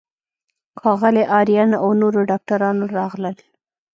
ښاغلی آرین او نورو ډاکټرانو راغلل.